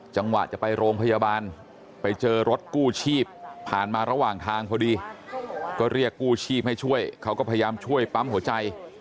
จังหวะจะไปโรงพยาบาลไปเจอรถกู้ชีพผ่านมาระหว่างทางพอดีก็เรียกกู้ชีพให้ช่วยเขาก็พยายามช่วยปั๊มหัวใจ